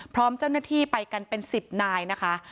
พร้อมเจ้าหน้าที่ไปกันเป็น๑๐นายนะคะ